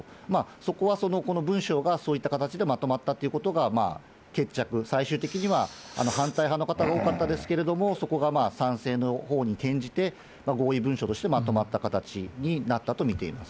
そこはその文書がそういった形でまとまったということが、まあ、決着、最終的には反対派の方が多かったですけれども、そこが賛成のほうに転じて、合意文書としてまとまった形になったと見ています。